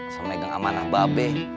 sama geng amanah babe